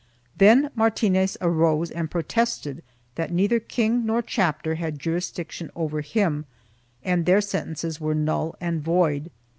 Then Martinez arose and protested that neither king nor chapter had jurisdiction over him and their sentences were null and void.